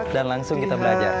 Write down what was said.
dan langsung kita belajar